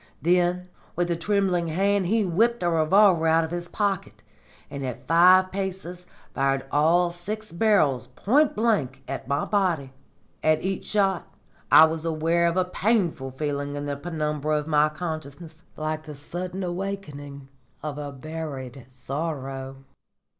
Then with a trembling hand he whipped a revolver out of his pocket, and at five paces fired all six barrels point blank at my body. At each shot I was aware of a painful feeling in the penumbra of my consciousness, like the sudden awakening of a buried sorrow."